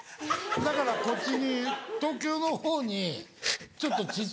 だからこっちに東京のほうにちょっと小っちゃい。